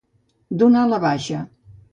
Donar la baixa.